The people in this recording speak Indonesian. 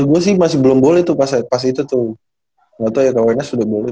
setahu gue sih masih belum boleh tuh pas itu tuh enggak tahu ya kalau enggak sudah boleh